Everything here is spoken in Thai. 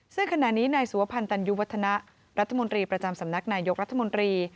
ซึ่งขณะนี้นายสุวพันธัญญุวัฒนะรัฐมนตรีประจำสำนักนายกรัฐมนตรี